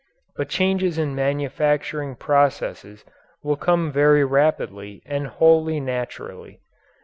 But changes in manufacturing processes will come very rapidly and wholly naturally.